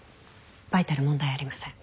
バイタル問題ありません。